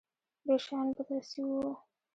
ډېر شيان بدل سوي وو.